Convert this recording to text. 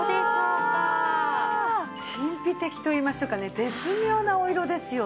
神秘的と言いましょうかね絶妙なお色ですよね。